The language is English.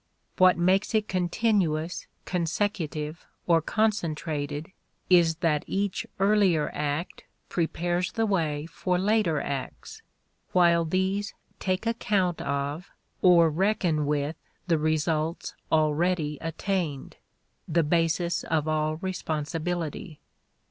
What makes it continuous, consecutive, or concentrated is that each earlier act prepares the way for later acts, while these take account of or reckon with the results already attained the basis of all responsibility.